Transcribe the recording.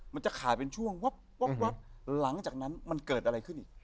มันจะขายเป็นช่วงวับหลังจากนั้นมันเกิดอะไรขึ้นอีก